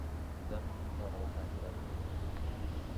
Ubwami bw'Imana butangirira mu mutima.